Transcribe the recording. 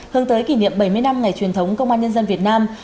hướng tới kỷ niệm bảy mươi năm ngày truyền thống công an nhân dân việt nam